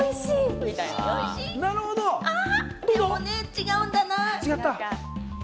でも違うんだな。